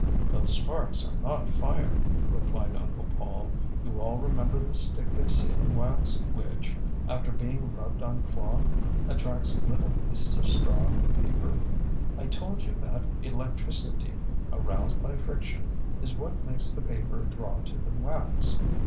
ŌĆØ ŌĆ£Those sparks are not fire, ŌĆØ replied Uncle Paul. ŌĆ£You all remember the stick of sealing wax which, after being rubbed on cloth, attracts little pieces of straw and paper. I told you that electricity, aroused by friction, is what makes the paper draw to the wax.